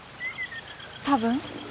多分。